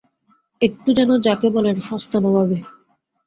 একটু যেন –যাকে বলে সস্তা নবাবি।